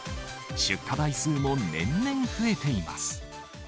出荷台数も年々増えています。